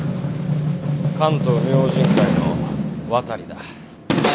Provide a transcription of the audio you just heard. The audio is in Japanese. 関東明神会の渡だ。